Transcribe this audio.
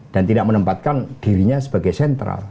dan tidak menempatkan dirinya sebagai sentral